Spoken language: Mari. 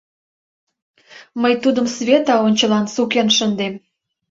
Мый тудым Света ончылан сукен шындем.